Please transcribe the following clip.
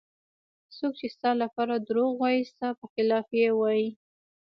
څوک چې ستا لپاره دروغ وایي ستا په خلاف یې وایي.